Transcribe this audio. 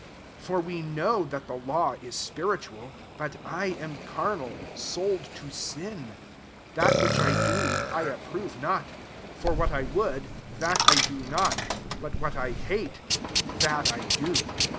14 For we know that the law is spiritual: but I am carnal, sold to sin. 15 That which I do, I approve not : for what I would, Lthat] I do not; but what I hate, that I do.